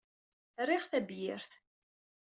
Riɣ tabyirt.